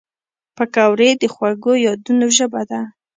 پکورې د خوږو یادونو ژبه ده